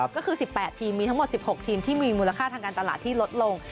ก็คือ๑๘ทีมมีทั้งหมด๑๖ทีมที่มีมูลค่าทางการตลาดที่ลดลง